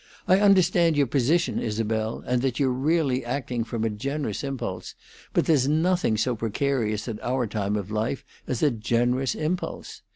I understand your position, Isabel, and that you're really acting from a generous impulse, but there's nothing so precarious at our time of life as a generous impulse.